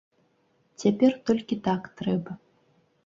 Цяпер толькі так трэба.